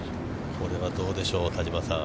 これはどうでしょう、田島さん。